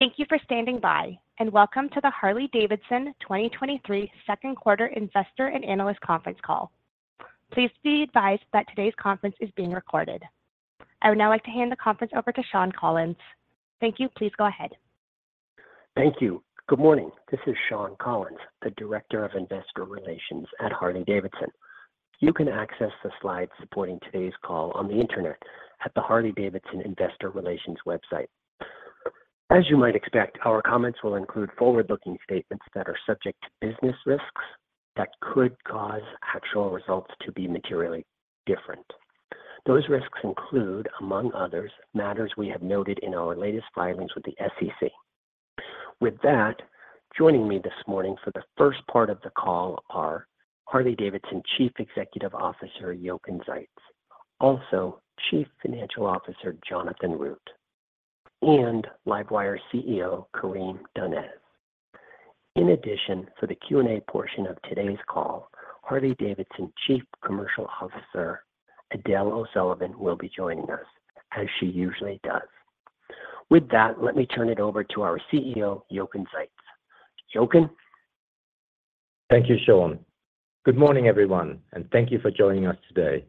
Thank you for standing by, and welcome to the Harley-Davidson 2023 Q2 Investor and Analyst Conference Call. Please be advised that today's conference is being recorded. I would now like to hand the conference over to Shawn Collins. Thank you. Please go ahead. Thank you. Good morning. This is Shawn Collins, the Director of Investor Relations at Harley-Davidson. You can access the slides supporting today's call on the Internet at the Harley-Davidson Investor Relations website. As you might expect, our comments will include forward-looking statements that are subject to business risks that could cause actual results to be materially different. Those risks include, among others, matters we have noted in our latest filings with the SEC. With that, joining me this morning for the first part of the call are Harley-Davidson Chief Executive Officer, Jochen Zeitz, also Chief Financial Officer, Jonathan Root, and LiveWire CEO, Karim Donnez. In addition, for the Q&A portion of today's call, Harley-Davidson Chief Commercial Officer, Edel O'Sullivan, will be joining us, as she usually does. With that, let me turn it over to our CEO, Jochen Zeitz. Jochen? Thank you, Shawn. Good morning, everyone, and thank you for joining us today.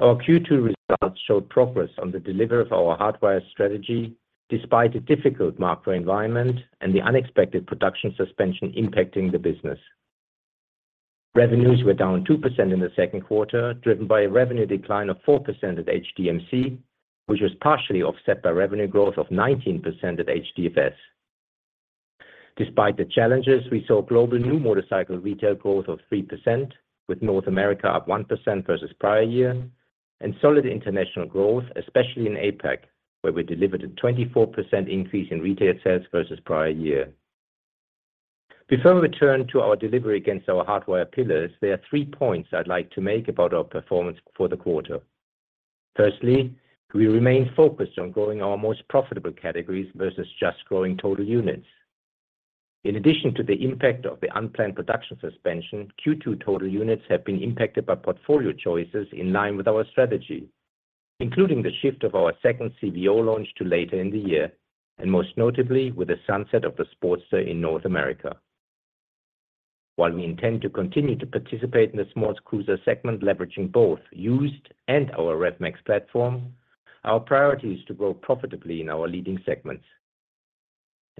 Our Q2 results showed progress on the delivery of our Hardwire strategy, despite a difficult macro environment and the unexpected production suspension impacting the business. Revenues were down 2% in the Q2, driven by a revenue decline of 4% at HDMC, which was partially offset by revenue growth of 19% at HDFS. Despite the challenges, we saw global new motorcycle retail growth of 3%, with North America up 1% versus prior year, and solid international growth, especially in APAC, where we delivered a 24% increase in retail sales versus prior year. Before we turn to our delivery against our Hardwire pillars, there are three points I'd like to make about our performance for the quarter. Firstly, we remain focused on growing our most profitable categories versus just growing total units. In addition to the impact of the unplanned production suspension, Q2 total units have been impacted by portfolio choices in line with our strategy, including the shift of our second CVO launch to later in the year, and most notably, with the sunset of the Sportster in North America. While we intend to continue to participate in the small cruiser segment, leveraging both used and our RevMax platform, our priority is to grow profitably in our leading segments.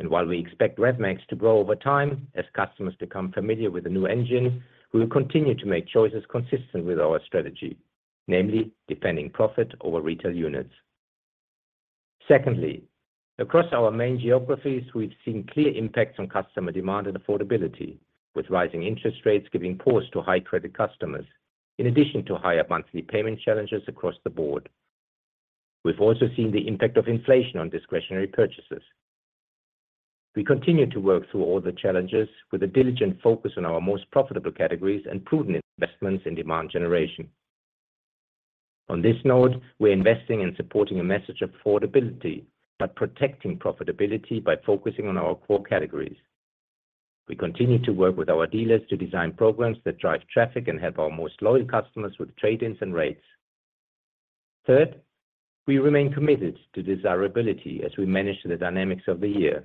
While we expect RevMax to grow over time, as customers become familiar with the new engine, we will continue to make choices consistent with our strategy, namely, depending profit over retail units. Secondly, across our main geographies, we've seen clear impacts on customer demand and affordability, with rising interest rates giving pause to high credit customers, in addition to higher monthly payment challenges across the board. We've also seen the impact of inflation on discretionary purchases. We continue to work through all the challenges with a diligent focus on our most profitable categories and prudent investments in demand generation. On this note, we're investing in supporting a message of affordability, but protecting profitability by focusing on our core categories. We continue to work with our dealers to design programs that drive traffic and help our most loyal customers with trade-ins and rates. Third, we remain committed to desirability as we manage the dynamics of the year.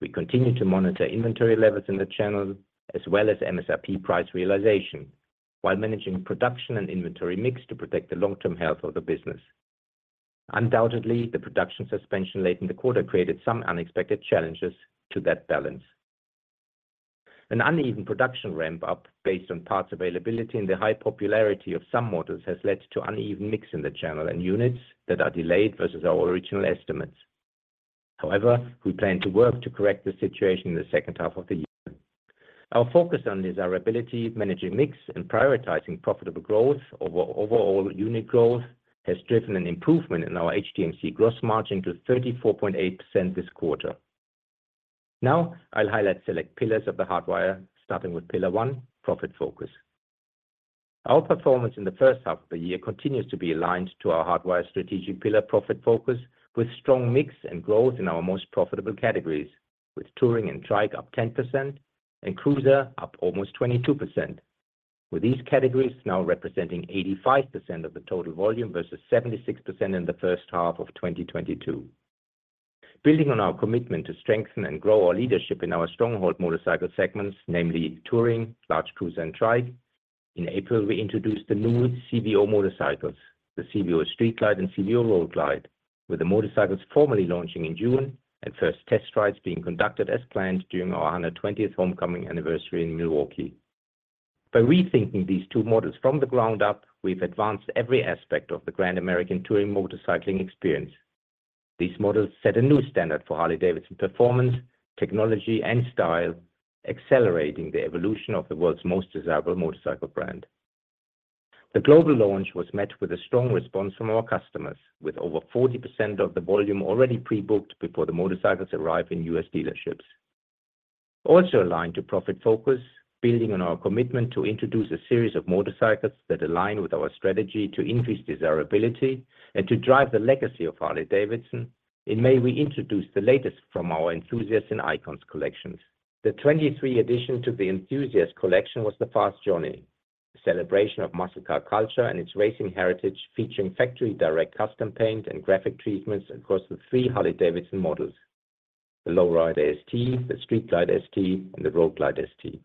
We continue to monitor inventory levels in the channel, as well as MSRP price realization, while managing production and inventory mix to protect the long-term health of the business. Undoubtedly, the production suspension late in the quarter created some unexpected challenges to that balance. An uneven production ramp-up based on parts availability and the high popularity of some models has led to uneven mix in the channel and units that are delayed versus our original estimates. We plan to work to correct the situation in the H2 of the year. Our focus on desirability, managing mix, and prioritizing profitable growth over overall unit growth has driven an improvement in our HDMC gross margin to 34.8% this quarter. I'll highlight select pillars of The Hardwire, starting with pillar one, profit focus. Our performance in the H1 of the year continues to be aligned to our Hardwire strategic pillar, profit focus, with strong mix and growth in our most profitable categories, with touring and trike up 10% and cruiser up almost 22%, with these categories now representing 85% of the total volume versus 76% in the H1 of 2022. Building on our commitment to strengthen and grow our leadership in our stronghold motorcycle segments, namely touring, large cruise, and trike, in April, we introduced the new CVO motorcycles, the CVO Street Glide and CVO Road Glide, with the motorcycles formally launching in June and first test rides being conducted as planned during our 120th homecoming anniversary in Milwaukee. By rethinking these two models from the ground up, we've advanced every aspect of the Grand American Touring motorcycling experience. These models set a new standard for Harley-Davidson performance, technology, and style, accelerating the evolution of the world's most desirable motorcycle brand. The global launch was met with a strong response from our customers, with over 40% of the volume already pre-booked before the motorcycles arrive in U.S. dealerships. Aligned to profit focus, building on our commitment to introduce a series of motorcycles that align with our strategy to increase desirability and to drive the legacy of Harley-Davidson, in May, we introduced the latest from our Enthusiast and Icons Motorcycle Collection. The 2023 addition to the Enthusiast Collection was the Fast Johnnie. A celebration of muscle car culture and its racing heritage, featuring factory direct custom paint and graphic treatments across the 3 Harley-Davidson models: the Low Rider ST, the Street Glide ST, and the Road Glide ST.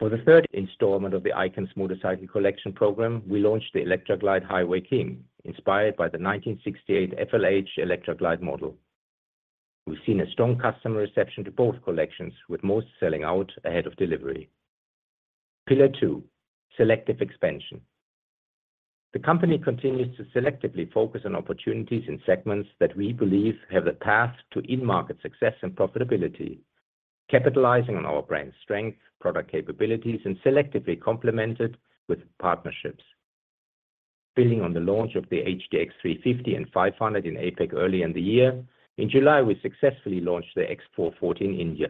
For the third installment of the Icons Motorcycle Collection program, we launched the Electra Glide Highway King, inspired by the 1968 FLH Electra Glide model. We've seen a strong customer reception to both collections, with most selling out ahead of delivery. Pillar two, selective expansion. The company continues to selectively focus on opportunities in segments that we believe have the path to in-market success and profitability, capitalizing on our brand strength, product capabilities, and selectively complemented with partnerships. Building on the launch of the HD X350 and 500 in APAC early in the year, in July, we successfully launched the X440 in India.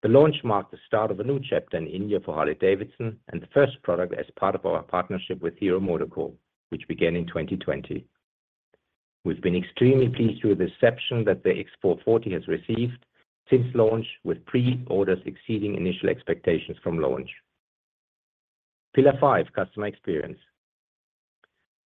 The launch marked the start of a new chapter in India for Harley-Davidson, and the first product as part of our partnership with Hero MotoCorp, which began in 2020. We've been extremely pleased with the reception that the X440 has received since launch, with pre-orders exceeding initial expectations from launch. Pillar 5, customer experience.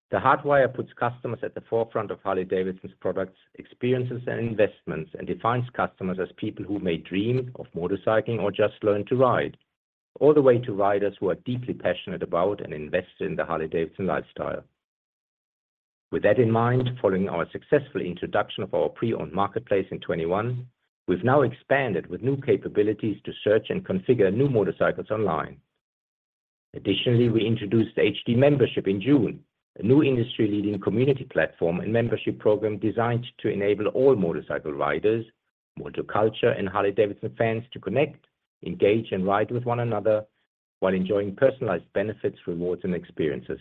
The Hardwire puts customers at the forefront of Harley-Davidson's products, experiences, and investments, and defines customers as people who may dream of motorcycling or just learn to ride, all the way to riders who are deeply passionate about and invested in the Harley-Davidson lifestyle. With that in mind, following our successful introduction of our pre-owned marketplace in 2021, we've now expanded with new capabilities to search and configure new motorcycles online. We introduced the H-D Membership in June, a new industry-leading community platform and membership program designed to enable all motorcycle riders, motoculture, and Harley-Davidson fans to connect, engage, and ride with one another while enjoying personalized benefits, rewards, and experiences.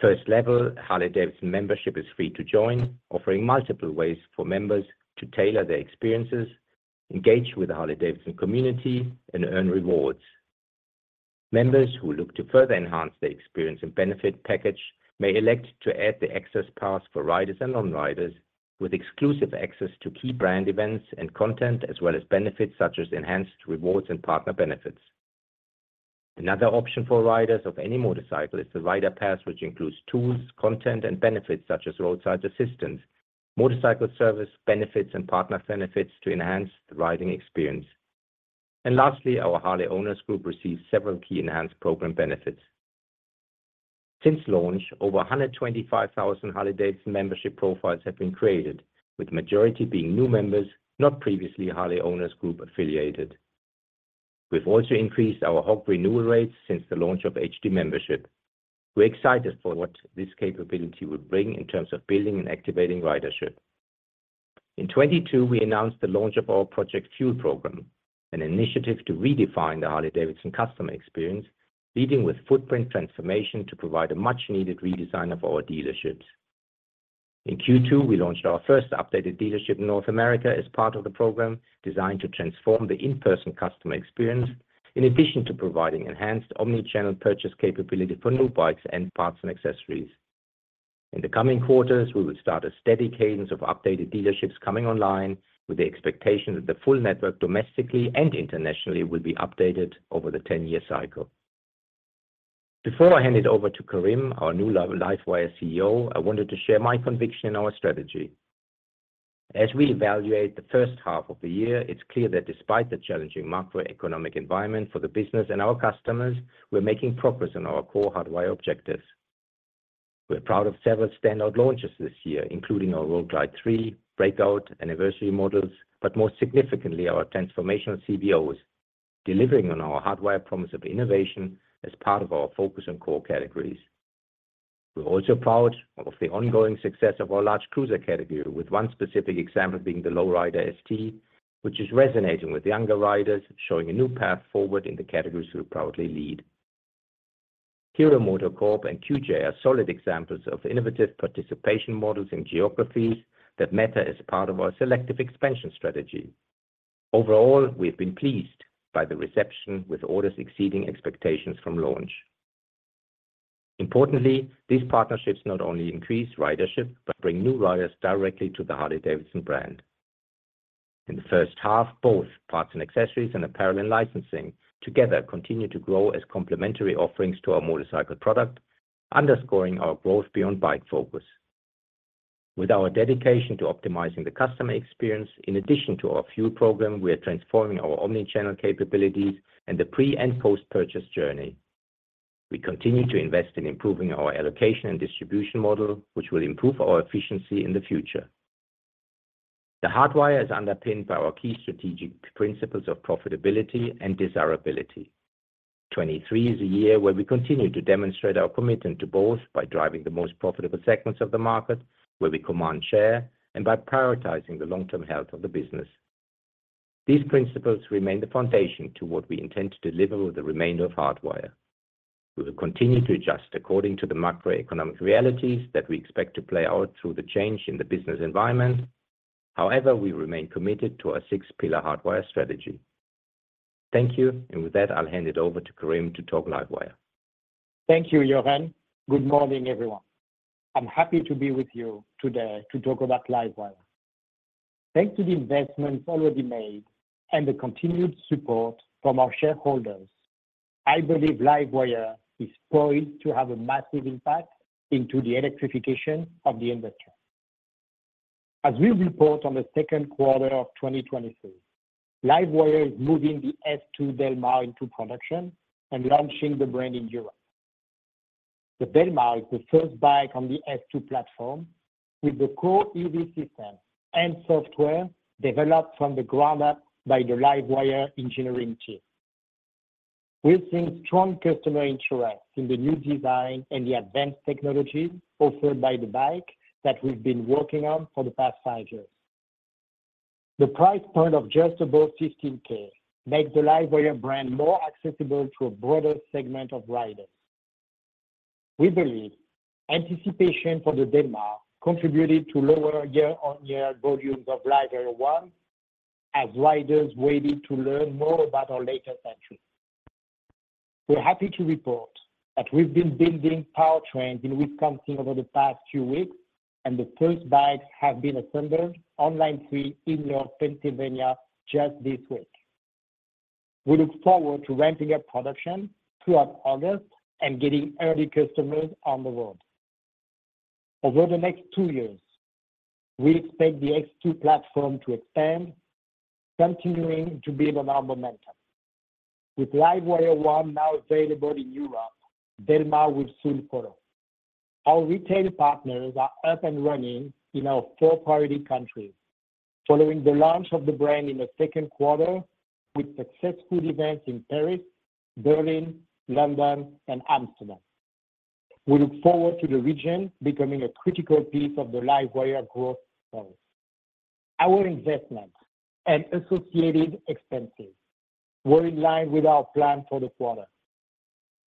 First level, H-D Membership is free to join, offering multiple ways for members to tailor their experiences, engage with the Harley-Davidson community, and earn rewards. Members who look to further enhance their experience and benefit package may elect to add the access pass for riders and non-riders, with exclusive access to key brand events and content, as well as benefits such as enhanced rewards and partner benefits. Another option for riders of any motorcycle is the rider pass, which includes tools, content, and benefits such as roadside assistance, motorcycle service benefits, and partner benefits to enhance the riding experience. Lastly, our Harley Owners Group received several key enhanced program benefits. Since launch, over 125,000 H-D Membership profiles have been created, with majority being new members, not previously Harley Owners Group affiliated. We've also increased our HOG renewal rates since the launch of H-D Membership. We're excited for what this capability will bring in terms of building and activating ridership. In 2022, we announced the launch of our Project Fuel program, an initiative to redefine the Harley-Davidson customer experience, leading with footprint transformation to provide a much-needed redesign of our dealerships. In Q2, we launched our first updated dealership in North America as part of the program, designed to transform the in-person customer experience, in addition to providing enhanced omni-channel purchase capability for new bikes and parts and accessories. In the coming quarters, we will start a steady cadence of updated dealerships coming online, with the expectation that the full network, domestically and internationally, will be updated over the 10-year cycle. Before I hand it over to Karim, our new LiveWire CEO, I wanted to share my conviction in our strategy. As we evaluate the H1 of the year, it's clear that despite the challenging macroeconomic environment for the business and our customers, we're making progress on our core The Hardwire objectives. We're proud of several standout launches this year, including our Road Glide 3, breakout anniversary models, but more significantly, our transformational CVOs, delivering on our The Hardwire promise of innovation as part of our focus on core categories. We're also proud of the ongoing success of our large cruiser category, with one specific example being the Low Rider ST, which is resonating with younger riders, showing a new path forward in the categories we proudly lead. Hero MotoCorp and QJ are solid examples of innovative participation models in geographies that matter as part of our selective expansion strategy. Overall, we've been pleased by the reception, with orders exceeding expectations from launch. Importantly, these partnerships not only increase ridership, but bring new riders directly to the Harley-Davidson brand. In the H1, both parts and accessories, and Apparel & Licensing together continue to grow as complementary offerings to our motorcycle product, underscoring our growth beyond bike focus. With our dedication to optimizing the customer experience, in addition to our Fuel program, we are transforming our omni-channel capabilities and the pre- and post-purchase journey. We continue to invest in improving our allocation and distribution model, which will improve our efficiency in the future. The Hardwire is underpinned by our key strategic principles of profitability and desirability. 2023 is a year where we continue to demonstrate our commitment to both by driving the most profitable segments of the market, where we command share, and by prioritizing the long-term health of the business. These principles remain the foundation to what we intend to deliver with the remainder of Hardwire. We will continue to adjust according to the macroeconomic realities that we expect to play out through the change in the business environment. However, we remain committed to our six-pillar Hardwire strategy. Thank you. With that, I'll hand it over to Karim to talk LiveWire. Thank you, Jochen. Good morning, everyone. I'm happy to be with you today to talk about LiveWire.Thanks to the investments already made and the continued support from our shareholders, I believe LiveWire is poised to have a massive impact into the electrification of the industry. As we report on the Q2 of 2023, LiveWire is moving the S2 Del Mar into production and launching the brand in Europe. The Del Mar is the first bike on the S2 platform, with the core EV system and software developed from the ground up by the LiveWire engineering team. We've seen strong customer interest in the new design and the advanced technologies offered by the bike that we've been working on for the past 5 years. The price point of just above 15K makes the LiveWire brand more accessible to a broader segment of riders. We believe anticipation for the Del Mar contributed to lower year-on-year volumes of LiveWire ONE, as riders waited to learn more about our latest entry. We're happy to report that we've been building powertrains in Wisconsin over the past few weeks, and the first bikes have been assembled on line three in North Pennsylvania just this week. We look forward to ramping up production throughout August and getting early customers on the road. Over the next two years, we expect the S2 platform to expand, continuing to build on our momentum. With LiveWire ONE now available in Europe, Del Mar will soon follow. Our retail partners are up and running in our four priority countries. Following the launch of the brand in the Q2, with successful events in Paris, Berlin, London, and Amsterdam, we look forward to the region becoming a critical piece of the LiveWire growth story. Our investments and associated expenses were in line with our plan for the quarter.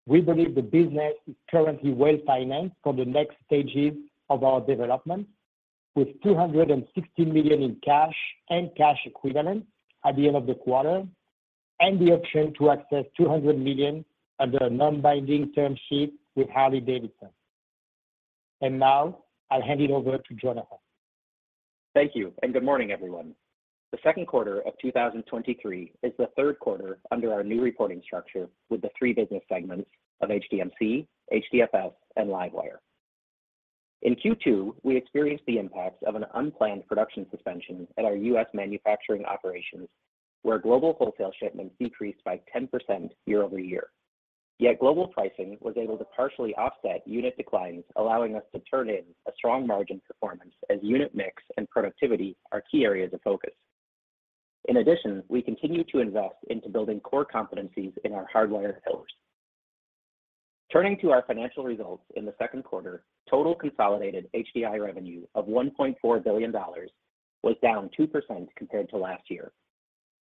We believe the business is currently well-financed for the next stages of our development, with $260 million in cash and cash equivalents at the end of the quarter, and the option to access $200 million under a non-binding term sheet with Harley-Davidson. Now I'll hand it over to Jonathan. Thank you, good morning, everyone. The Q2 of 2023 is the Q3 under our new reporting structure, with the three business segments of HDMC, HDFS, and LiveWire. In Q2, we experienced the impacts of an unplanned production suspension at our U.S. manufacturing operations, where global wholesale shipments decreased by 10% year-over-year. Global pricing was able to partially offset unit declines, allowing us to turn in a strong margin performance as unit mix and productivity are key areas of focus. In addition, we continue to invest into building core competencies in our Hardwire pillars. Turning to our financial results in the Q2, total consolidated HDI revenue of $1.4 billion was down 2% compared to last year.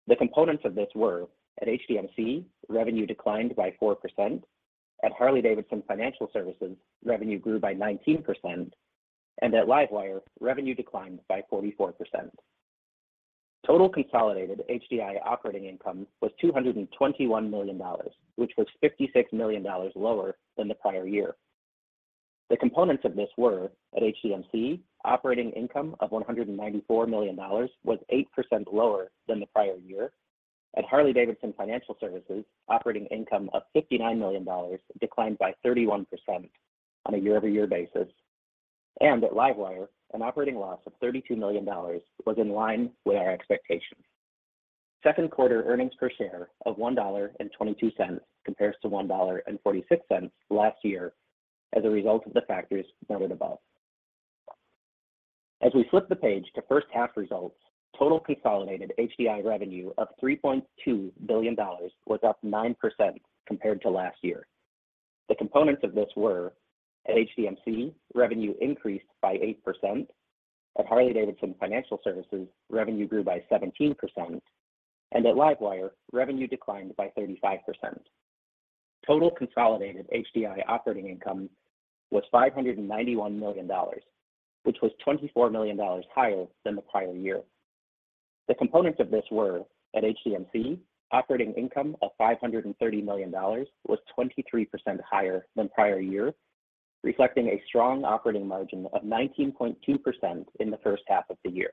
The components of this were: at HDMC, revenue declined by 4%. At Harley-Davidson Financial Services, revenue grew by 19%, and at LiveWire, revenue declined by 44%. Total consolidated HDI operating income was $221 million, which was $56 million lower than the prior year. The components of this were: at HDMC, operating income of $194 million was 8% lower than the prior year. At Harley-Davidson Financial Services, operating income of $59 million declined by 31% on a year-over-year basis. At LiveWire, an operating loss of $32 million was in line with our expectations. Q2 earnings per share of $1.22 compares to $1.46 last year as a result of the factors noted above. As we flip the page to H1 results, total consolidated HDI revenue of $3.2 billion was up 9% compared to last year. The components of this were: at HDMC, revenue increased by 8%. At Harley-Davidson Financial Services, revenue grew by 17%, and at LiveWire, revenue declined by 35%. Total consolidated HDI operating income was $591 million, which was $24 million higher than the prior year. The components of this were: at HDMC, operating income of $530 million was 23% higher than prior year, reflecting a strong operating margin of 19.2% in the H1 of the year.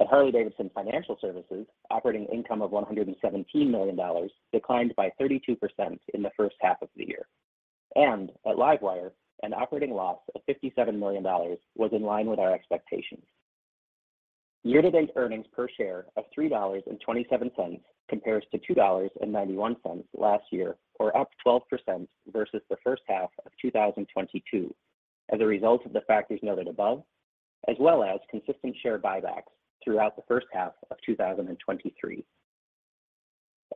At Harley-Davidson Financial Services, operating income of $117 million declined by 32% in the H1 of the year. At LiveWire, an operating loss of $57 million was in line with our expectations. Year-to-date earnings per share of $3.27 compares to $2.91 last year, or up 12% versus the H1 of 2022, as a result of the factors noted above, as well as consistent share buybacks throughout the H1 of 2023.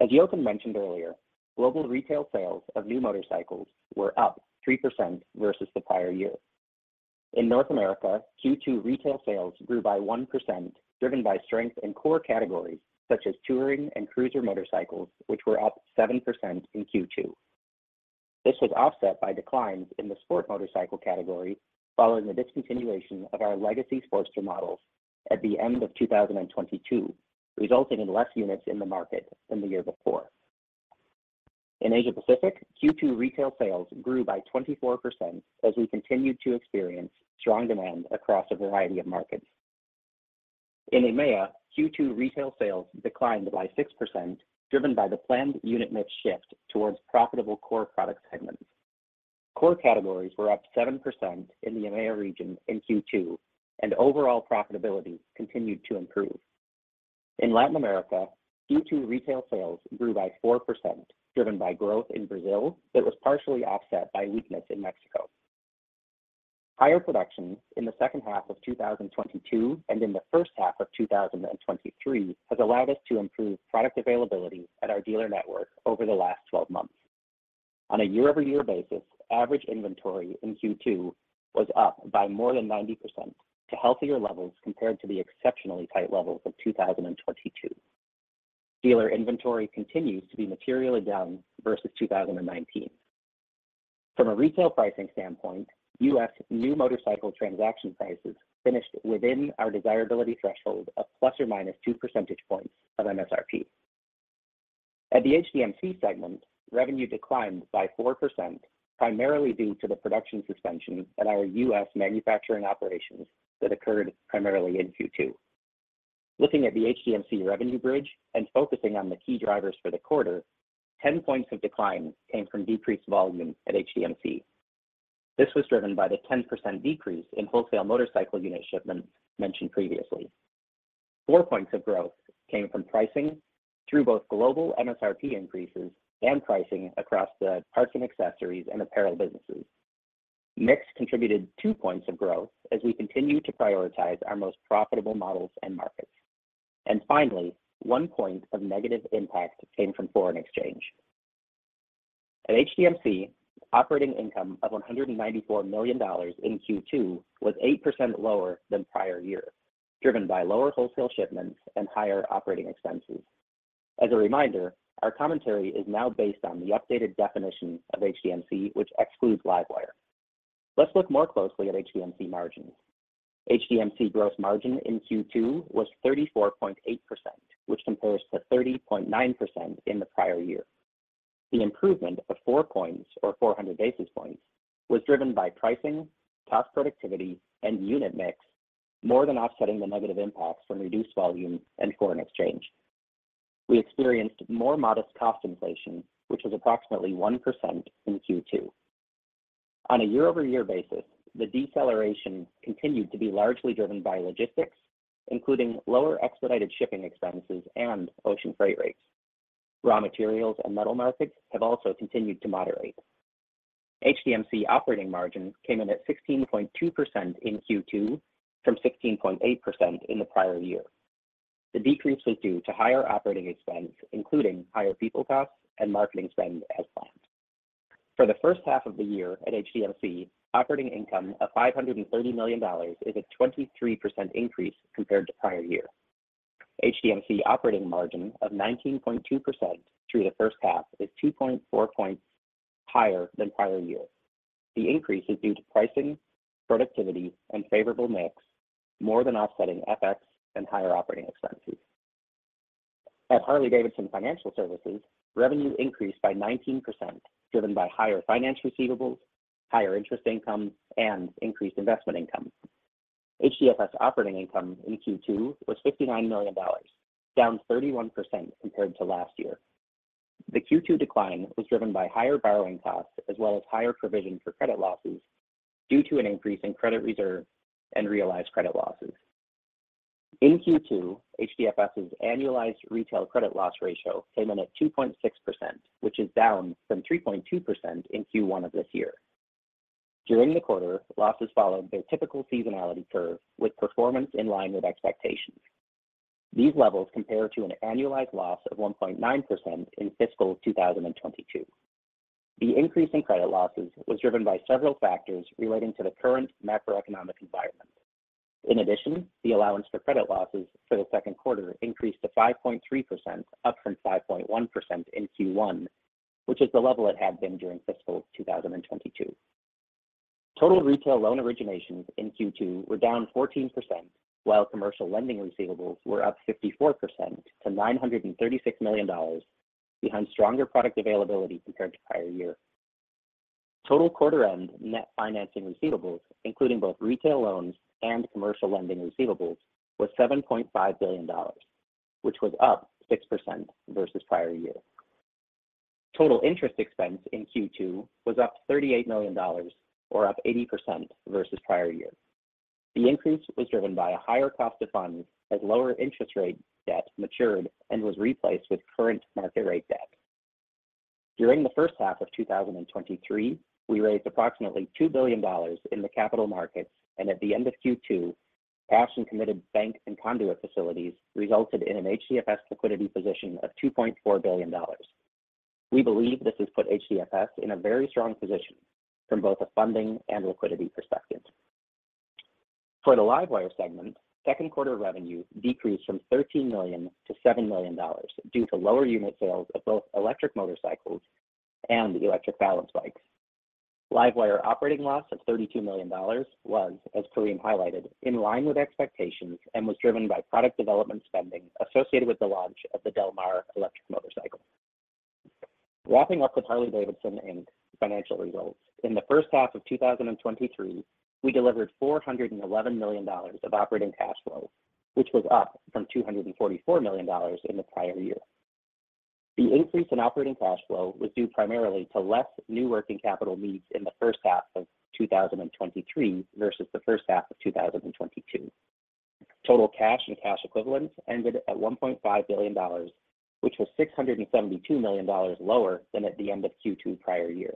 As Jochen mentioned earlier, global retail sales of new motorcycles were up 3% versus the prior year. In North America, Q2 retail sales grew by 1%, driven by strength in core categories such as touring and cruiser motorcycles, which were up 7% in Q2. This was offset by declines in the sport motorcycle category, following the discontinuation of our legacy Sportster models at the end of 2022, resulting in less units in the market than the year before. In Asia Pacific, Q2 retail sales grew by 24% as we continued to experience strong demand across a variety of markets. In EMEA, Q2 retail sales declined by 6%, driven by the planned unit mix shift towards profitable core product segments. Core categories were up 7% in the EMEA region in Q2, and overall profitability continued to improve. In Latin America, Q2 retail sales grew by 4%, driven by growth in Brazil, that was partially offset by weakness in Mexico. Higher production in the H2 of 2022 and in the H1 of 2023, has allowed us to improve product availability at our dealer network over the last 12 months. On a year-over-year basis, average inventory in Q2 was up by more than 90% to healthier levels compared to the exceptionally tight levels of 2022. Dealer inventory continues to be materially down versus 2019. From a retail pricing standpoint, U.S. new motorcycle transaction prices finished within our desirability threshold of ±2 percentage points of MSRP. At the HDMC segment, revenue declined by 4%, primarily due to the production suspension at our U.S. manufacturing operations that occurred primarily in Q2. Looking at the HDMC revenue bridge and focusing on the key drivers for the quarter, 10 points of decline came from decreased volume at HDMC. This was driven by the 10% decrease in wholesale motorcycle unit shipments mentioned previously. 4 points of growth came from pricing through both global MSRP increases and pricing across the parts and accessories and apparel businesses. Mix contributed 2 points of growth as we continue to prioritize our most profitable models and markets. Finally, 1 point of negative impact came from foreign exchange. At HDMC, operating income of $194 million in Q2 was 8% lower than prior year, driven by lower wholesale shipments and higher operating expenses. As a reminder, our commentary is now based on the updated definition of HDMC, which excludes LiveWire. Let's look more closely at HDMC margins. HDMC gross margin in Q2 was 34.8%, which compares to 30.9% in the prior year. The improvement of 4 points or 400 basis points, was driven by pricing, cost productivity, and unit mix, more than offsetting the negative impacts from reduced volume and foreign exchange. We experienced more modest cost inflation, which was approximately 1% in Q2. On a year-over-year basis, the deceleration continued to be largely driven by logistics, including lower expedited shipping expenses and ocean freight rates. Raw materials and metal markets have also continued to moderate. HDMC operating margin came in at 16.2% in Q2, from 16.8% in the prior year. The decrease was due to higher operating expenses, including higher people costs and marketing spend as planned. For the H1 of the year at HDMC, operating income of $530 million is a 23% increase compared to prior year. HDMC operating margin of 19.2% through the H1 is 2.4 points higher than prior year. The increase is due to pricing, productivity, and favorable mix, more than offsetting FX and higher operating expenses. At Harley-Davidson Financial Services, revenue increased by 19%, driven by higher finance receivables, higher interest income, and increased investment income. HDFS operating income in Q2 was $59 million, down 31% compared to last year. The Q2 decline was driven by higher borrowing costs, as well as higher provision for credit losses, due to an increase in credit reserves and realized credit losses. In Q2, HDFS's annualized retail credit loss ratio came in at 2.6%, which is down from 3.2% in Q1 of this year. During the quarter, losses followed their typical seasonality curve with performance in line with expectations. These levels compare to an annualized loss of 1.9% in fiscal 2022. The increase in credit losses was driven by several factors relating to the current macroeconomic environment. In addition, the allowance for credit losses for the Q2 increased to 5.3%, up from 5.1% in Q1, which is the level it had been during fiscal 2022. Total retail loan originations in Q2 were down 14%, while commercial lending receivables were up 54% to $936 million, behind stronger product availability compared to prior year. Total quarter end net financing receivables, including both retail loans and commercial lending receivables, was $7.5 billion, which was up 6% versus prior year. Total interest expense in Q2 was up $38 million, or up 80% versus prior year. The increase was driven by a higher cost of funds as lower interest rate debt matured and was replaced with current market rate debt. During the H1 of 2023, we raised approximately $2 billion in the capital markets. At the end of Q2, cash and committed bank and conduit facilities resulted in an HDFS liquidity position of $2.4 billion. We believe this has put HDFS in a very strong position from both a funding and liquidity perspective. For the LiveWire segment, Q2 revenue decreased from $13 million to $7 million due to lower unit sales of both electric motorcycles and electric balance bikes. LiveWire operating loss of $32 million was, as Karim highlighted, in line with expectations and was driven by product development spending associated with the launch of the Del Mar electric motorcycle. Wrapping up with Harley-Davidson Inc. financial results, in the H1 of 2023, we delivered $411 million of operating cash flow, which was up from $244 million in the prior year. The increase in operating cash flow was due primarily to less new working capital needs in the H1 of 2023 versus the H1 of 2022. Total cash and cash equivalents ended at $1.5 billion, which was $672 million lower than at the end of Q2 prior year.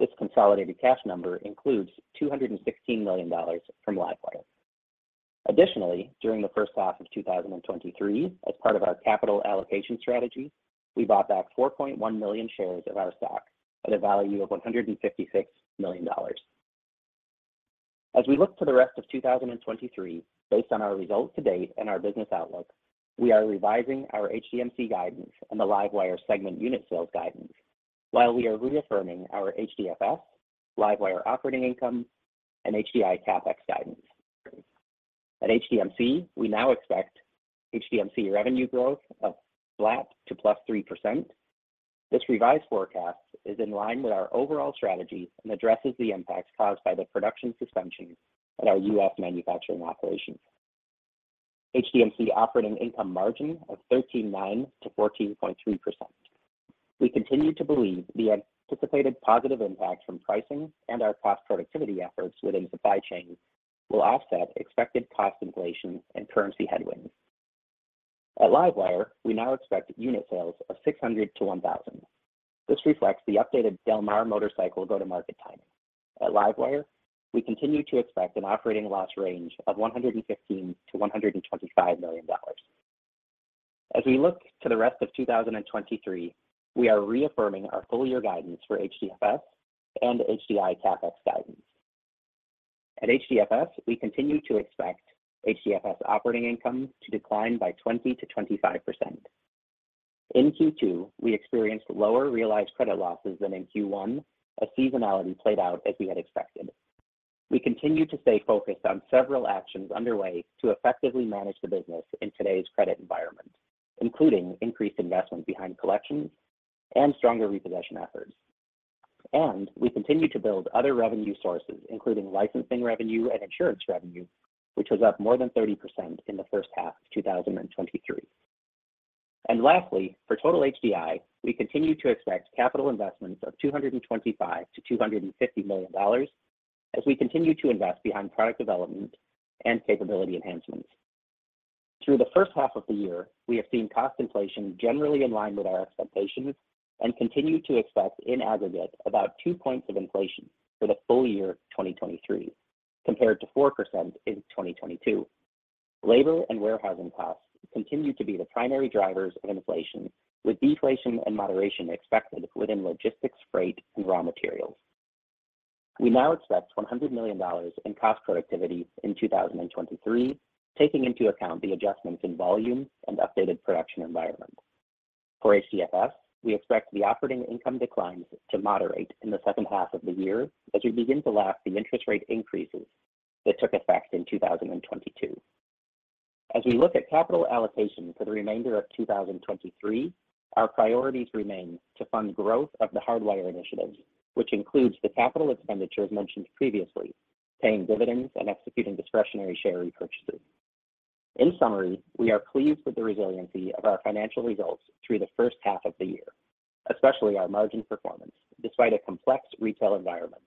This consolidated cash number includes $216 million from LiveWire. Additionally, during the H1 of 2023, as part of our capital allocation strategy, we bought back 4.1 million shares of our stock at a value of $156 million. As we look to the rest of 2023, based on our results to date and our business outlook, we are revising our HDMC guidance and the LiveWire segment unit sales guidance. While we are reaffirming our HDFS, LiveWire operating income, and HDI CapEx guidance. At HDMC, we now expect HDMC revenue growth of flat to +3%. This revised forecast is in line with our overall strategy and addresses the impacts caused by the production suspensions at our US manufacturing operations. HDMC operating income margin of 13.9%-14.3%. We continue to believe the anticipated positive impact from pricing and our cost productivity efforts within supply chain will offset expected cost inflation and currency headwinds. At LiveWire, we now expect unit sales of 600-1,000. This reflects the updated Del Mar motorcycle go-to-market timing. At LiveWire, we continue to expect an operating loss range of $115 million-$125 million. As we look to the rest of 2023, we are reaffirming our full-year guidance for HDFS and HDI CapEx guidance. At HDFS, we continue to expect HDFS operating income to decline by 20%-25%. In Q2, we experienced lower realized credit losses than in Q1, as seasonality played out as we had expected. We continue to stay focused on several actions underway to effectively manage the business in today's credit environment, including increased investment behind collections and stronger repossession efforts. We continue to build other revenue sources, including licensing revenue and insurance revenue, which was up more than 30% in the H1 of 2023. Lastly, for total HDI, we continue to expect capital investments of $225 million-$250 million as we continue to invest behind product development and capability enhancements. Through the H1 of the year, we have seen cost inflation generally in line with our expectations and continue to expect, in aggregate, about 2 points of inflation for the full year of 2023, compared to 4% in 2022. Labor and warehousing costs continue to be the primary drivers of inflation, with deflation and moderation expected within logistics, freight, and raw materials. We now expect $100 million in cost productivity in 2023, taking into account the adjustments in volume and updated production environment. For HDFS, we expect the operating income declines to moderate in the H2 of the year as we begin to lap the interest rate increases that took effect in 2022. As we look at capital allocation for the remainder of 2023, our priorities remain to fund growth of the Hardwire initiatives, which includes the capital expenditures mentioned previously, paying dividends and executing discretionary share repurchases. In summary, we are pleased with the resiliency of our financial results through the H1 of the year, especially our margin performance, despite a complex retail environment.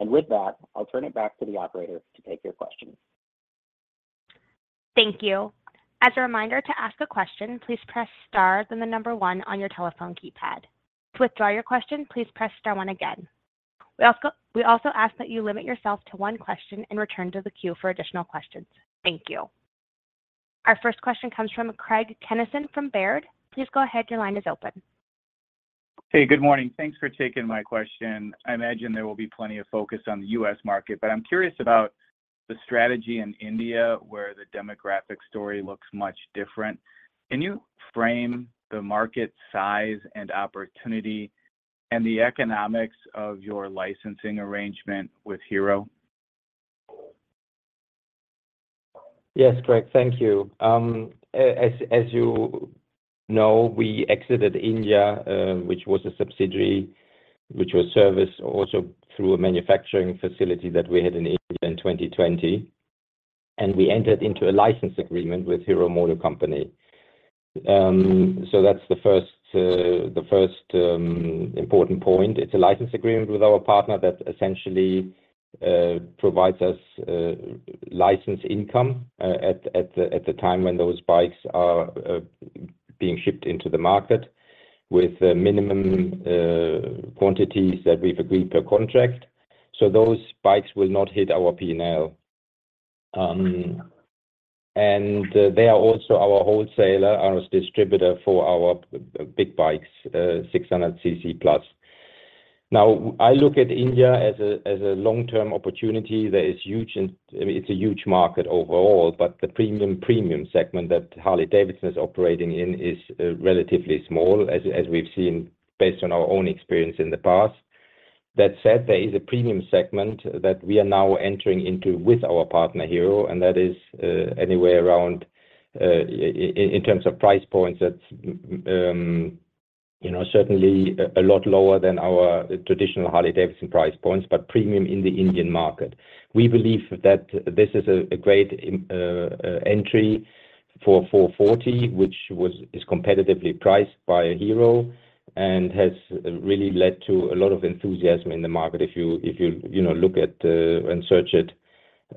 With that, I'll turn it back to the operator to take your questions. Thank you. As a reminder to ask a question, please press star, then 1 on your telephone keypad. To withdraw your question, please press star 1 again. We also ask that you limit yourself to one question and return to the queue for additional questions. Thank you. Our first question comes from Craig Kennison from Baird. Please go ahead. Your line is open. Hey, good morning. Thanks for taking my question. I imagine there will be plenty of focus on the U.S. market. I'm curious about the strategy in India, where the demographic story looks much different. Can you frame the market size and opportunity and the economics of your licensing arrangement with Hero? Yes, Craig, thank you. As you know, we exited India, which was a subsidiary, which was serviced also through a manufacturing facility that we had in India in 2020, and we entered into a license agreement with Hero MotoCorp. That's the first important point. It's a license agreement with our partner that essentially provides us license income at the time when those bikes are being shipped into the market, with minimum quantities that we've agreed per contract. Those bikes will not hit our P&L. They are also our wholesaler and distributor for our big bikes, 600 cc plus. I look at India as a long-term opportunity that is huge. I mean, it's a huge market overall, but the premium segment that Harley-Davidson is operating in is relatively small, as we've seen, based on our own experience in the past. That said, there is a premium segment that we are now entering into with our partner, Hero, and that is anywhere around in terms of price points, that's, you know, certainly a lot lower than our traditional Harley-Davidson price points, but premium in the Indian market. We believe that this is a great entry for 440, which is competitively priced by Hero and has really led to a lot of enthusiasm in the market. If you, you know, look at and search it,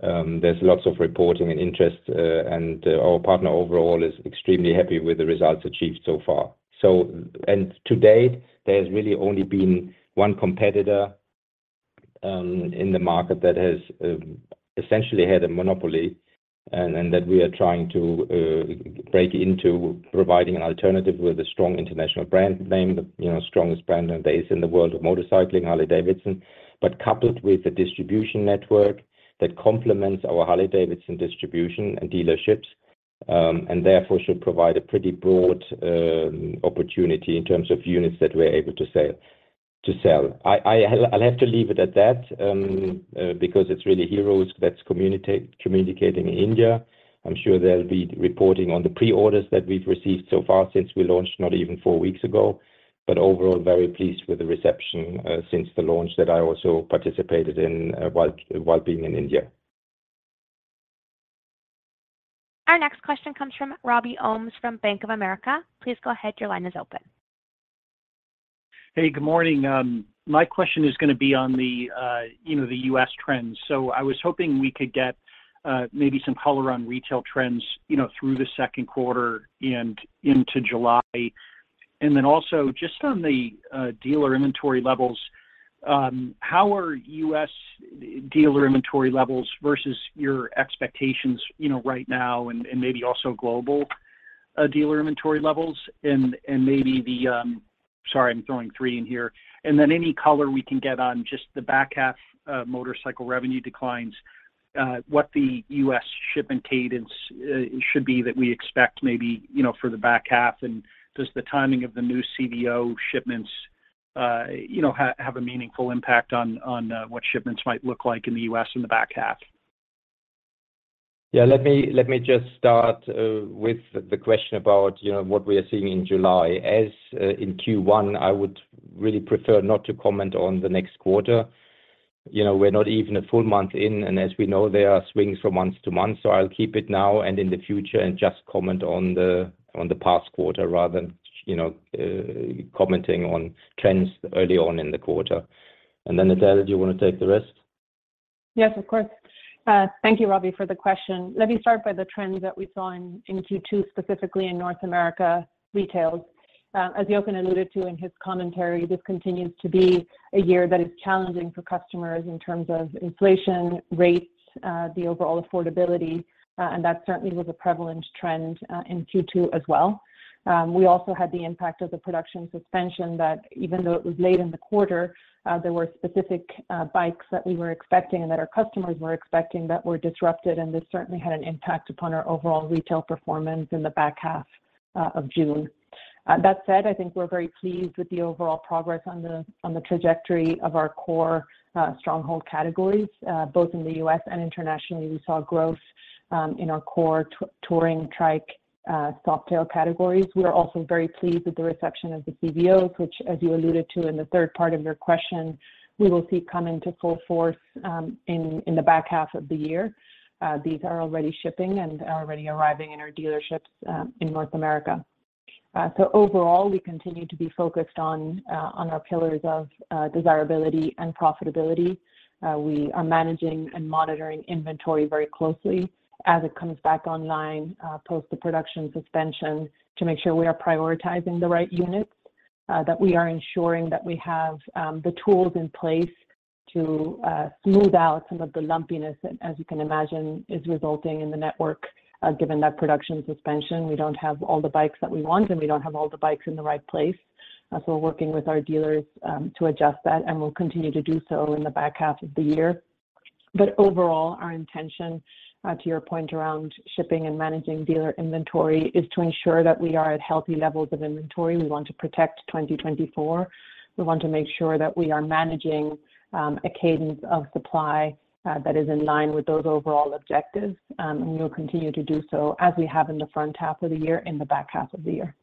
there's lots of reporting and interest. Our partner overall is extremely happy with the results achieved so far. To date, there's really only been one competitor in the market that has essentially had a monopoly, and that we are trying to break into providing an alternative with a strong international brand name. The, you know, strongest brand name there is in the world of motorcycling, Harley-Davidson, but coupled with a distribution network that complements our Harley-Davidson distribution and dealerships, and therefore should provide a pretty broad opportunity in terms of units that we're able to sell. I'll have to leave it at that because it's really Hero that's communicating in India. I'm sure they'll be reporting on the pre-orders that we've received so far since we launched, not even four weeks ago, but overall, very pleased with the reception, since the launch that I also participated in, while being in India. Our next question comes from Robby Ohmes from Bank of America. Please go ahead. Your line is open. Hey, good morning. My question is gonna be on the U.S. trends. I was hoping we could get maybe some color on retail trends through the Q2 and into July. Also, just on the dealer inventory levels, how are U.S. dealer inventory levels versus your expectations right now, maybe also global dealer inventory levels? Sorry, I'm throwing three in here. Any color we can get on just the back half motorcycle revenue declines, what the U.S. shipment cadence should be that we expect maybe for the back half. Does the timing of the new CVO shipments, you know, have a meaningful impact on, on, what shipments might look like in the U.S. in the back half? Yeah, let me just start with the question about, you know, what we are seeing in July. As in Q1, I would really prefer not to comment on the next quarter. You know, we're not even a full month in, and as we know, there are swings from month to month, so I'll keep it now and in the future and just comment on the past quarter rather than, you know, commenting on trends early on in the quarter. Edel, do you want to take the rest? Yes, of course. Thank you, Robby, for the question. Let me start by the trends that we saw in Q2, specifically in North America retails. As Jochen alluded to in his commentary, this continues to be a year that is challenging for customers in terms of inflation rates, the overall affordability, and that certainly was a prevalent trend in Q2 as well. We also had the impact of the production suspension that even though it was late in the quarter, there were specific bikes that we were expecting and that our customers were expecting that were disrupted, and this certainly had an impact upon our overall retail performance in the back half of June. That said, I think we're very pleased with the overall progress on the trajectory of our core stronghold categories, both in the U.S. and internationally. We saw growth in our core touring trike, Softail categories. We are also very pleased with the reception of the CVOs, which, as you alluded to in the third part of your question, we will see coming to full force in the back half of the year. These are already shipping and are already arriving in our dealerships in North America. Overall, we continue to be focused on our pillars of desirability and profitability. We are managing and monitoring inventory very closely as it comes back online, post the production suspension, to make sure we are prioritizing the right units, that we are ensuring that we have, the tools in place to smooth out some of the lumpiness that, as you can imagine, is resulting in the network. Given that production suspension, we don't have all the bikes that we want, and we don't have all the bikes in the right place. We're working with our dealers, to adjust that, and we'll continue to do so in the back half of the year. Overall, our intention, to your point around shipping and managing dealer inventory, is to ensure that we are at healthy levels of inventory. We want to protect 2024. We want to make sure that we are managing a cadence of supply that is in line with those overall objectives, and we will continue to do so, as we have in the front half of the year, in the back half of the year.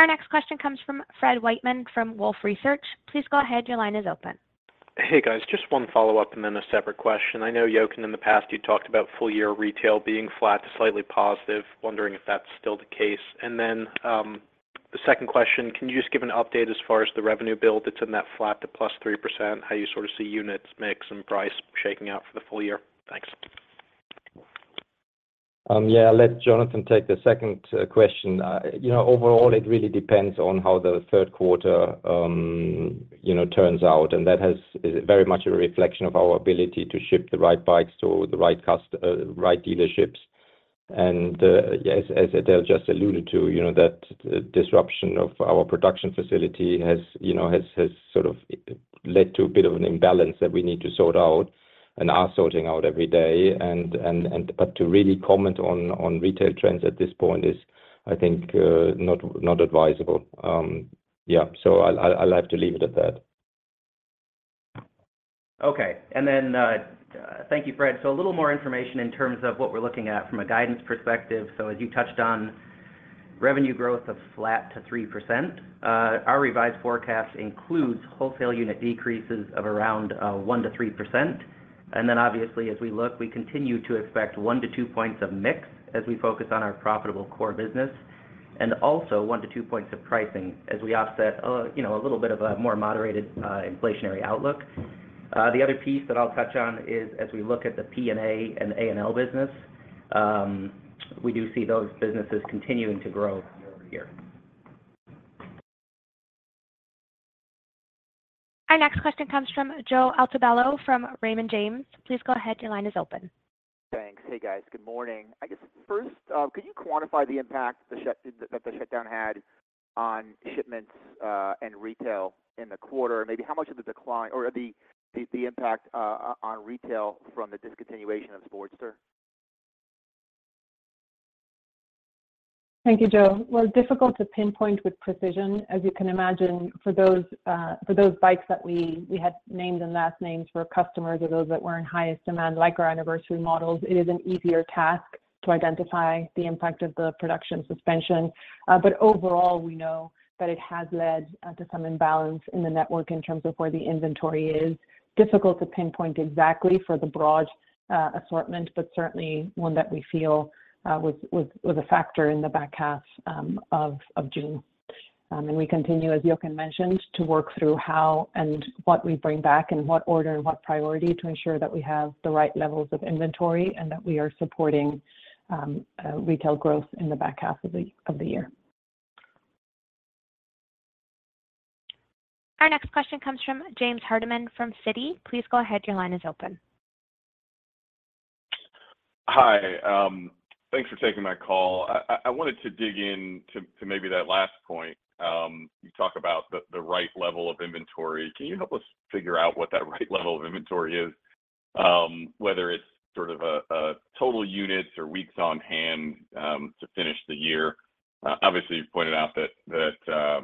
Our next question comes from Fred Wightman, from Wolfe Research. Please go ahead. Your line is open. Hey, guys. Just one follow-up and then a separate question. I know, Jochen, in the past, you talked about full-year retail being flat to slightly positive. Wondering if that's still the case? The second question, can you just give an update as far as the revenue build that's in that flat to +3%, how you sort of see units mix and price shaking out for the full year? Thanks. Yeah, I'll let Jonathan take the second question. You know, overall, it really depends on how the Q3, you know, turns out, and that is very much a reflection of our ability to ship the right bikes to the right dealerships. Yes, as Adele just alluded to, you know, that disruption of our production facility has, you know, has sort of led to a bit of an imbalance that we need to sort out and are sorting out every day. But to really comment on retail trends at this point is, I think, not advisable. Yeah. I'll, I'll, I'll have to leave it at that. Okay, thank you, Fred. A little more information in terms of what we're looking at from a guidance perspective. As you touched on revenue growth of flat to 3%, our revised forecast includes wholesale unit decreases of around 1%-3%. Obviously, as we look, we continue to expect 1-2 points of mix as we focus on our profitable core business, and also 1-2 points of pricing as we offset, you know, a little bit of a more moderated inflationary outlook. The other piece that I'll touch on is, as we look at the P&A and A&L business, we do see those businesses continuing to grow year-over-year. Our next question comes from Joe Altobello from Raymond James. Please go ahead. Your line is open. Thanks. Hey, guys. Good morning. I guess first, could you quantify the impact that the shutdown had on shipments, and retail in the quarter? Maybe how much of the decline or the impact, on retail from the discontinuation of Sportster? Thank you, Joe. Well, difficult to pinpoint with precision. As you can imagine, for those, for those bikes that we had names and last names for customers or those that were in highest demand, like our anniversary models, it is an easier task to identify the impact of the production suspension. Overall, we know that it has led to some imbalance in the network in terms of where the inventory is. Difficult to pinpoint exactly for the broad assortment, but certainly one that we feel was a factor in the back half of June. We continue, as Jochen mentioned, to work through how and what we bring back and what order and what priority to ensure that we have the right levels of inventory and that we are supporting retail growth in the back half of the year. Our next question comes from James Hardiman from Citi. Please go ahead. Your line is open. Hi. Thanks for taking my call. I wanted to dig in to maybe that last point. You talk about the right level of inventory. Can you help us figure out what that right level of inventory is? Whether it's sort of a total units or weeks on hand to finish the year. Obviously, you pointed out that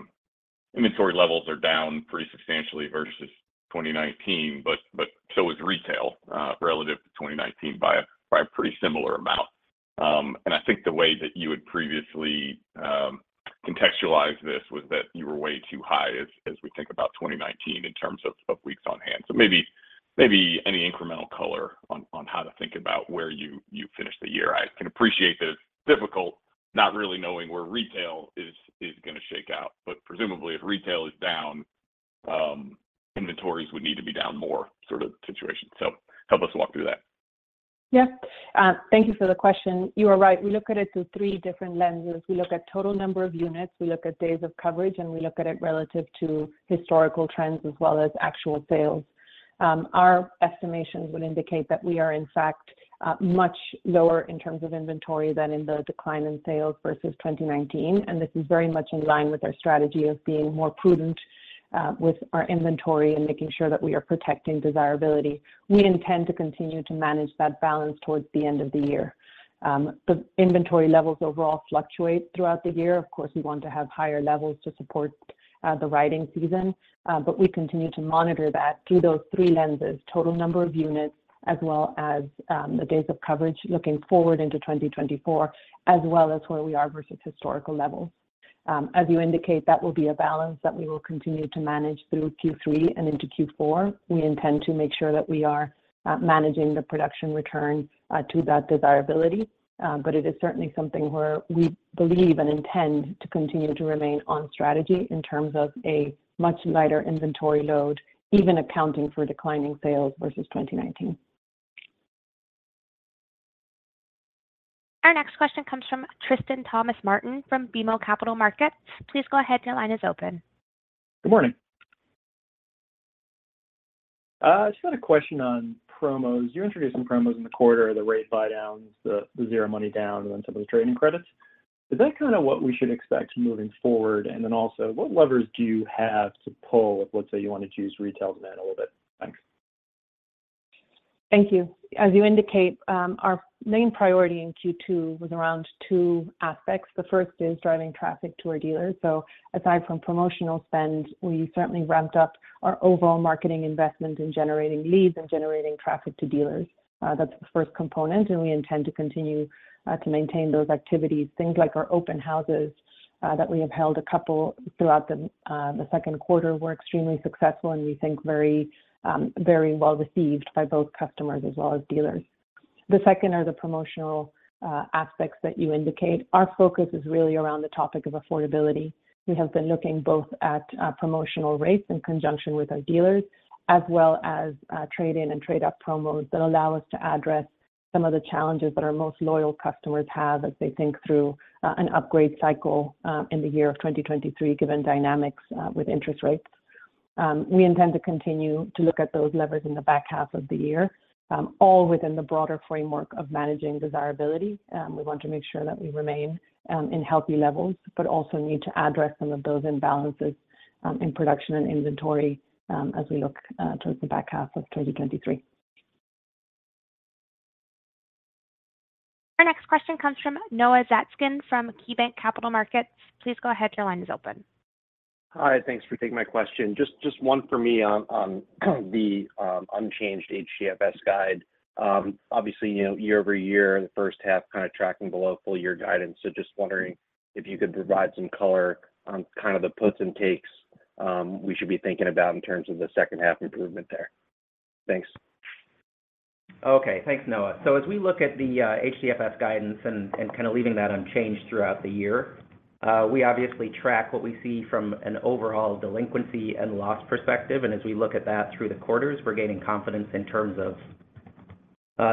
inventory levels are down pretty substantially versus 2019, but so is retail relative to 2019 by a pretty similar amount. I think the way that you would previously contextualize this was that you were way too high as we think about 2019 in terms of weeks on hand. Maybe any incremental color on how to think about where you finish the year. I can appreciate that it's difficult, not really knowing where retail is gonna shake out, but presumably, if retail is down, inventories would need to be down more sort of situation. Help us walk through that. Yeah. Thank you for the question. You are right. We look at it through 3 different lenses. We look at total number of units, we look at days of coverage, and we look at it relative to historical trends as well as actual sales. Our estimations would indicate that we are, in fact, much lower in terms of inventory than in the decline in sales versus 2019. This is very much in line with our strategy of being more prudent with our inventory and making sure that we are protecting desirability. We intend to continue to manage that balance towards the end of the year. The inventory levels overall fluctuate throughout the year. We want to have higher levels to support the riding season, but we continue to monitor that through those three lenses, total number of units, as well as the days of coverage looking forward into 2024, as well as where we are versus historical levels. As you indicate, that will be a balance that we will continue to manage through Q3 and into Q4. We intend to make sure that we are managing the production return to that desirability. It is certainly something where we believe and intend to continue to remain on strategy in terms of a much lighter inventory load, even accounting for declining sales versus 2019. Our next question comes from Tristan Thomas-Martin from BMO Capital Markets. Please go ahead. Your line is open. Good morning. Just had a question on promos. You introduced some promos in the quarter, the rate buy downs, the, the 0 money down, and some of the trade-in credits. Is that kinda what we should expect moving forward? Then also, what levers do you have to pull if, let's say, you want to juice retail demand a little bit? Thanks. Thank you. As you indicate, our main priority in Q2 was around two aspects. The first is driving traffic to our dealers. Aside from promotional spend, we certainly ramped up our overall marketing investment in generating leads and generating traffic to dealers. That's the first component, and we intend to continue to maintain those activities. Things like our open houses, that we have held a couple throughout the Q2 were extremely successful and we think very well received by both customers as well as dealers. The second are the promotional aspects that you indicate. Our focus is really around the topic of affordability. We have been looking both at promotional rates in conjunction with our dealers, as well as trade-in and trade-up promos that allow us to address some of the challenges that our most loyal customers have as they think through an upgrade cycle in the year of 2023, given dynamics with interest rates. We intend to continue to look at those levers in the back half of the year, all within the broader framework of managing desirability. We want to make sure that we remain in healthy levels, but also need to address some of those imbalances in production and inventory as we look towards the back half of 2023. Our next question comes from Noah Zatzkin from KeyBanc Capital Markets. Please go ahead. Your line is open. Hi, thanks for taking my question. Just one for me on the unchanged HDFS guide. Obviously, you know, year-over-year, the H1 kind of tracking below full year guidance. Just wondering if you could provide some color on kind of the puts and takes we should be thinking about in terms of the H2 improvement there. Thanks. Okay. Thanks, Noah. As we look at the HDFS guidance and, and kind of leaving that unchanged throughout the year, we obviously track what we see from an overall delinquency and loss perspective, and as we look at that through the quarters, we're gaining confidence in terms of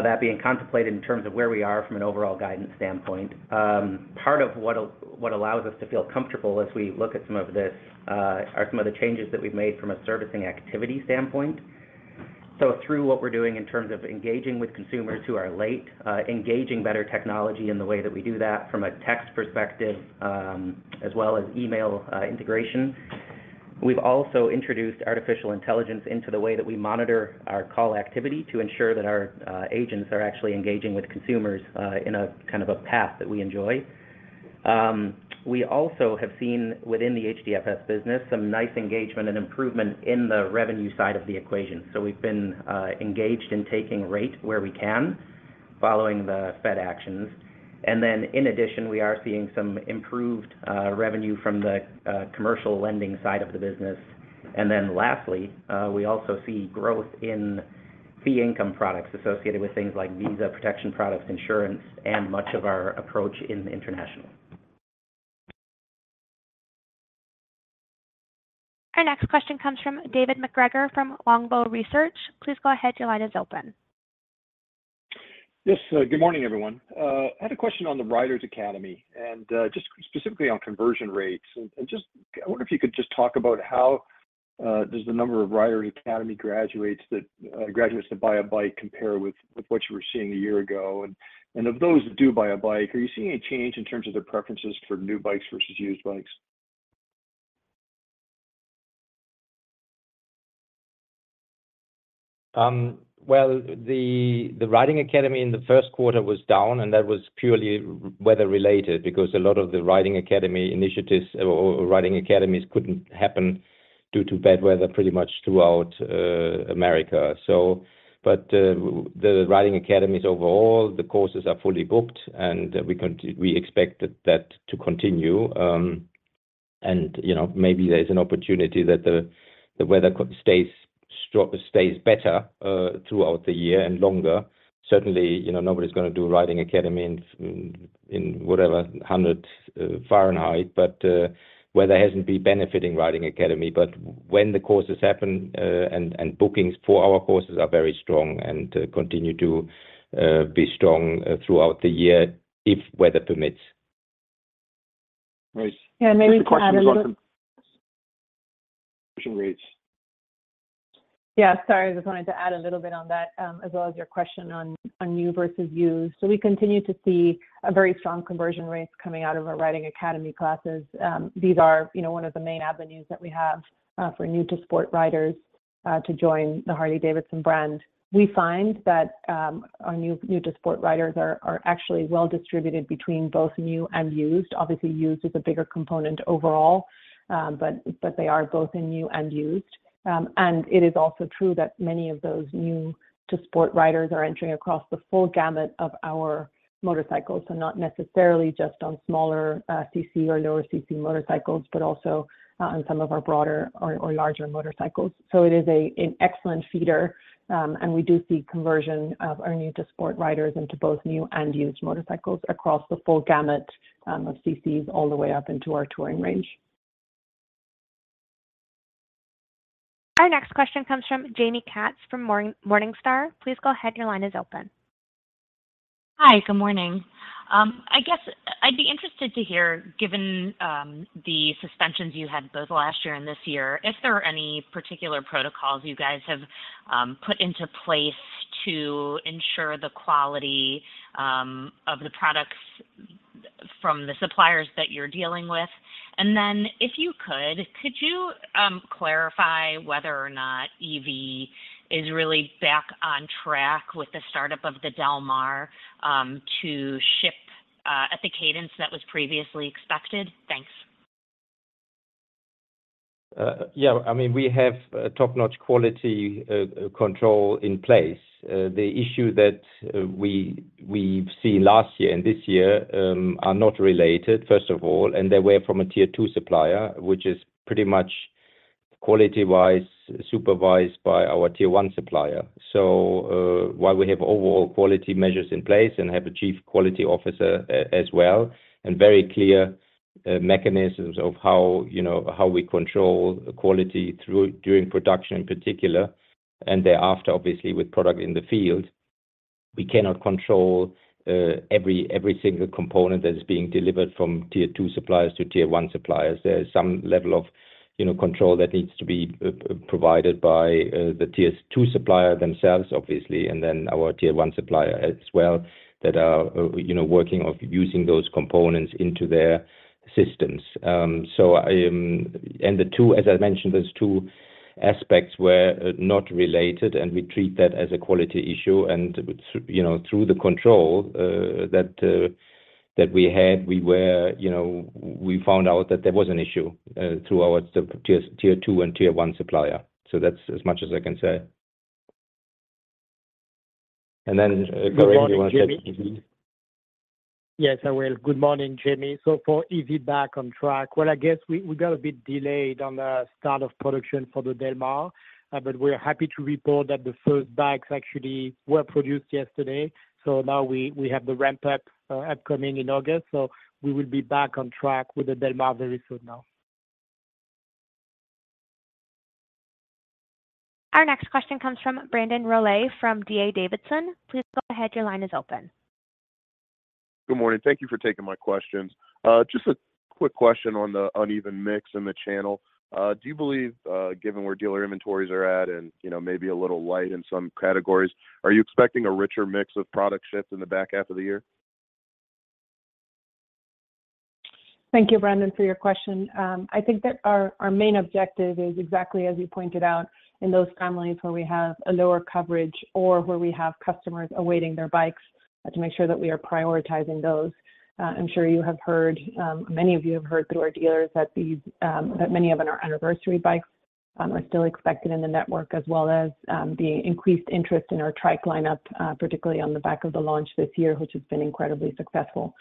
that being contemplated in terms of where we are from an overall guidance standpoint. Part of what, what allows us to feel comfortable as we look at some of this, are some of the changes that we've made from a servicing activity standpoint. Through what we're doing in terms of engaging with consumers who are late, engaging better technology in the way that we do that from a text perspective, as well as email, integration. We've also introduced artificial intelligence into the way that we monitor our call activity to ensure that our agents are actually engaging with consumers in a kind of a path that we enjoy. We also have seen, within the HDFS business, some nice engagement and improvement in the revenue side of the equation. We've been engaged in taking rate where we can, following the Fed actions. In addition, we are seeing some improved revenue from the commercial lending side of the business. Lastly, we also see growth in fee income products associated with things like visa protection products, insurance, and much of our approach in international. Our next question comes from David MacGregor, from Longbow Research. Please go ahead. Your line is open. Yes, good morning, everyone. I had a question on the Riding Academy, and just specifically on conversion rates. Just I wonder if you could just talk about how does the number of Riding Academy graduates that buy a bike compare with what you were seeing a year ago? Of those who do buy a bike, are you seeing any change in terms of their preferences for new bikes versus used bikes? Well, the Riding Academy in the Q1 was down, and that was purely weather related, because a lot of the Riding Academy initiatives or Riding Academies couldn't happen due to bad weather pretty much throughout America. The Riding Academies, overall, the courses are fully booked, and we expect that to continue. You know, maybe there's an opportunity that the weather could stays strong, stays better throughout the year and longer. Certainly, you know, nobody's gonna do Riding Academy in, in whatever, 100 Fahrenheit, weather hasn't been benefiting Riding Academy. When the courses happen, and bookings for our courses are very strong and continue to be strong throughout the year, if weather permits. Right. Yeah, maybe we can add. The question was on conversion rates. Yeah, sorry. I just wanted to add a little bit on that, as well as your question on new versus used. We continue to see a very strong conversion rate coming out of our Riding Academy classes. These are, you know, one of the main avenues that we have for new to sport riders to join the Harley-Davidson brand. We find that our new to sport riders are actually well distributed between both new and used. Obviously, used is a bigger component overall, but they are both in new and used. It is also true that many of those new to sport riders are entering across the full gamut of our motorcycles, so not necessarily just on smaller CC or lower CC motorcycles, but also on some of our broader or larger motorcycles. It is a, an excellent feeder, and we do see conversion of our new to sport riders into both new and used motorcycles across the full gamut of CCs all the way up into our touring range. Our next question comes from Jaime Katz from Morningstar. Please go ahead. Your line is open. Hi, good morning. I guess I'd be interested to hear, given the suspensions you had both last year and this year, if there are any particular protocols you guys have put into place to ensure the quality of the products from the suppliers that you're dealing with. If you could you clarify whether or not EV is really back on track with the startup of the Del Mar to ship at the cadence that was previously expected? Thanks. Yeah. I mean, we have top-notch quality control in place. The issue that we've seen last year and this year are not related, first of all, and they were from a Tier 2 supplier, which is pretty much quality-wise, supervised by our Tier 1 supplier. While we have overall quality measures in place and have a chief quality officer as well, and very clear mechanisms of how, you know, how we control quality during production in particular, and thereafter, obviously, with product in the field, we cannot control every single component that is being delivered from Tier 2 suppliers to Tier 1 suppliers. There is some level of, you know, control that needs to be provided by the Tier 2 supplier themselves, obviously, and then our Tier 1 supplier as well, that are, you know, working on using those components into their systems. The two, as I mentioned, those aspects were not related, and we treat that as a quality issue. You know, through the control that we had, we were, you know, we found out that there was an issue through our Tier 2 and Tier 1 supplier. That's as much as I can say. Karim, you want to take...? Good morning, Jaime. Yes, I will. Good morning, Jaime. For EV back on track, well, I guess we got a bit delayed on the start of production for the Del Mar, we're happy to report that the first bikes actually were produced yesterday. Now we have the ramp up upcoming in August, we will be back on track with the Del Mar very soon now. Our next question comes from Brandon Rollé, from D.A. Davidson. Please go ahead. Your line is open. Good morning. Thank you for taking my questions. Just a quick question on the uneven mix in the channel. Do you believe, given where dealer inventories are at and, you know, maybe a little light in some categories, are you expecting a richer mix of product shifts in the back half of the year? Thank you, Brandon, for your question. I think that our, our main objective is exactly as you pointed out, in those families where we have a lower coverage or where we have customers awaiting their bikes, to make sure that we are prioritizing those. I'm sure you have heard, many of you have heard through our dealers that these, that many of them are anniversary bikes, are still expected in the network, as well as, the increased interest in our trike lineup, particularly on the back of the launch this year, which has been incredibly successful.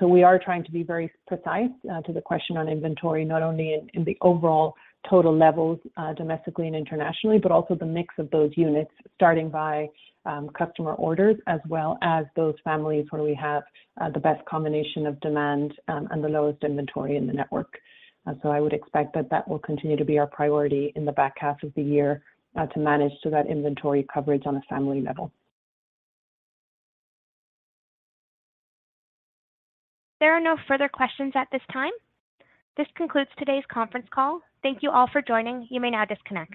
We are trying to be very precise to the question on inventory, not only in, in the overall total levels, domestically and internationally, but also the mix of those units, starting by customer orders, as well as those families where we have the best combination of demand and the lowest inventory in the network. I would expect that that will continue to be our priority in the back half of the year to manage so that inventory coverage on a family level. There are no further questions at this time. This concludes today's conference call. Thank you all for joining. You may now disconnect.